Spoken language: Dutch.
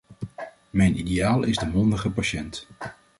Mijn ideaal is de mondige patiënt.